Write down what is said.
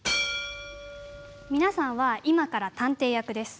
皆さんは今から探偵役です。